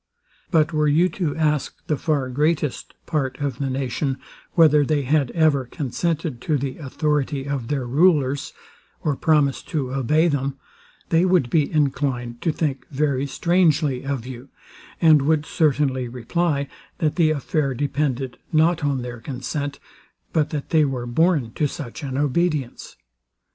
But were you to ask the far greatest part of the nation, whether they had ever consented to the authority of their rulers, or promised to obey them, they would be inclined to think very strangely of you; and would certainly reply, that the affair depended not on their consent, but that they were born to such an obedience.